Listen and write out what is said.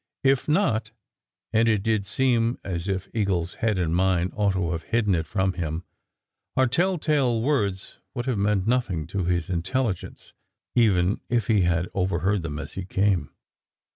If not and it did seem as if Eagle s head and mine ought to have hidden it from him our tell tale words would have meant nothing to his intelligence, even if he had overheard them as he came.